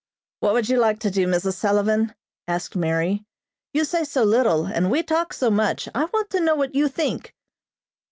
"What would you like to do, Mrs. Sullivan?" asked Mary. "You say so little, and we talk so much. I want to know what you think."